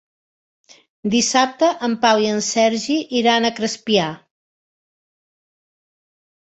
Dissabte en Pau i en Sergi iran a Crespià.